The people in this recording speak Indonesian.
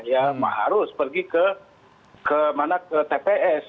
ya harus pergi ke tps